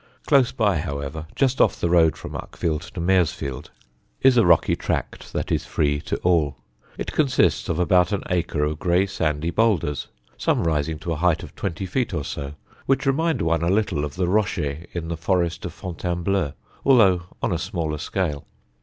Close by, however, just off the road from Uckfield to Maresfield, is a rocky tract that is free to all. It consists of about an acre of grey, sandy boulders, some rising to a height of twenty feet or so, which remind one a little of the rochers in the Forest of Fontainebleau, although on a smaller scale.